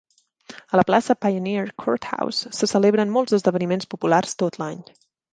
A la plaça Pioneer Courthouse se celebren molts esdeveniments populars tot l'any.